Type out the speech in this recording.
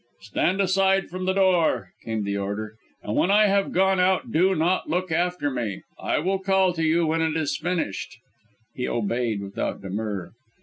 "Stand aside from the door," came the order, "and when I have gone out, do not look after me. I will call to you when it is finished." He obeyed, without demur.